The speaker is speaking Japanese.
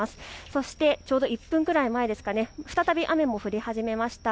そして１分くらい前ですかね、再び雨も降り始めました。